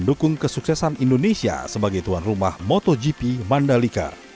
dan mendukung kesuksesan indonesia sebagai tuan rumah motogp mandalika